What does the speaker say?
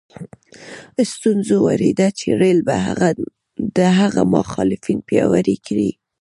سټیونز وېرېده چې رېل به د هغه مخالفین پیاوړي کړي.